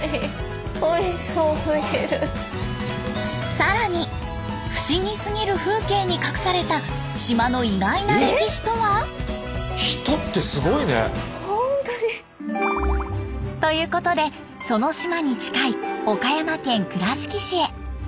更に不思議すぎる風景に隠された島の意外な歴史とは？ということでその島に近い岡山県倉敷市へ。